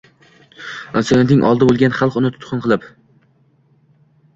Insoniyatning oldi bo‘lgan xalq uni tutqun qilib